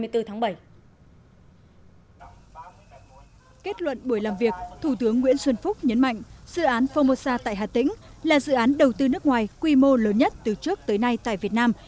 kết luận buổi làm việc thủ tướng nguyễn xuân phúc nhấn mạnh dự án formosa tại hà tĩnh là dự án đầu tư nước ngoài quy mô lớn nhất từ trước tới nay tại việt nam